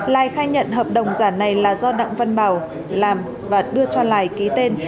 lài khai nhận hợp đồng giả này là do đặng văn bào làm và đưa cho lài ký tên